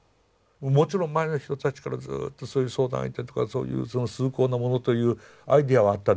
もちろん前の人たちからずっとそういう相談相手とかそういう崇高なものというアイデアはあったでしょう。